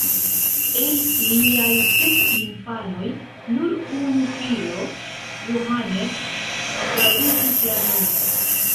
El liaj sep infanoj nur unu filo Johannes daŭrigis la nomon.